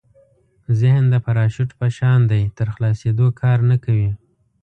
ذهن د پراشوټ په شان دی تر خلاصېدو کار نه کوي.